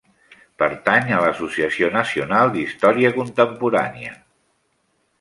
Pertany a l'Associació Nacional d'Història Contemporània.